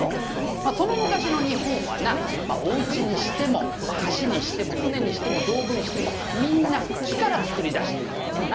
「まあその昔の日本はなまあお家にしても橋にしても船にしても道具にしてもみんな木から作り出していたんだな」